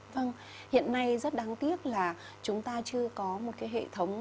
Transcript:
vâng hiện nay rất đáng tiếc là chúng ta chưa có một cái hệ thống